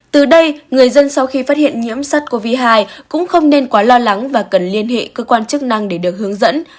từ đây người dân sau khi phát hiện nhiễm sát covid một mươi chín cũng không nên quá lo lắng và cần liên hệ cơ quan chức năng để được hướng dẫn